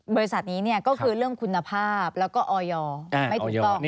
บริษัทนี้ก็คือเรื่องคุณภาพแล้วก็ออยไม่ถูกต้อง